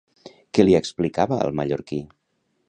Què li explicava al mallorquí?